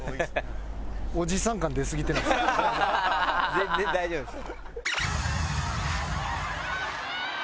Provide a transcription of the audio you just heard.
全然大丈夫です。